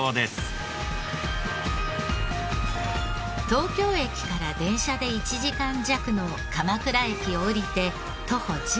東京駅から電車で１時間弱の鎌倉駅を降りて徒歩１５分。